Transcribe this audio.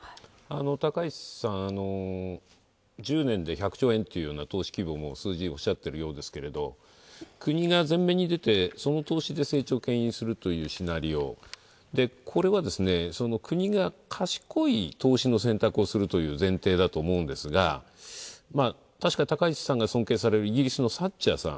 高市さん、１０年で１００兆円という投資規模の数字をおっしゃってるようですけど、国が前面に出てその投資で成長をけん引するというシナリオでこれは国が賢い投資の選択をするという前提だと思うんですが、確かに高市さんが尊敬されるイギリスのサッチャーさん。